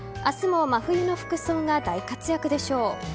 明日も真冬の服装が大活躍でしょう。